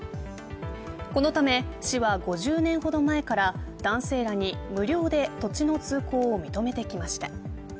このため、市は５０年ほど前から男性らに無料で土地の通行を認めてきました。